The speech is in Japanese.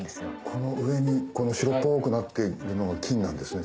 この上に白っぽくなってるのが菌なんですね。